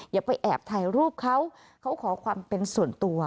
อย่าไปแอบถ่ายรูปเขาเขาขอความเป็นส่วนตัว